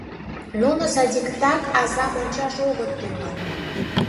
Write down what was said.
— Нуно садиктак азам ончаш огыт тӱҥал.